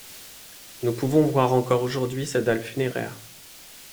Nous pouvons voir encore aujourd'hui sa dalle funéraire.